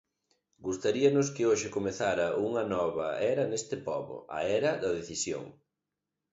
Gustaríanos que hoxe comezara unha nova era neste pobo, a era da decisión.